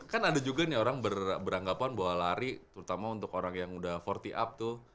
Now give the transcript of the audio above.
kan ada juga nih orang beranggapan bahwa lari terutama untuk orang yang udah empat puluh up tuh